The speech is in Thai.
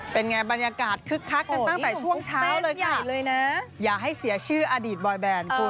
เป็นไงบรรยากาศคึกคักกันตั้งแต่ช่วงเช้าเลยใหญ่เลยนะอย่าให้เสียชื่ออดีตบอยแบนคุณ